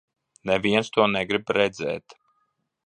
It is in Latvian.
Neviens to negrib redzēt.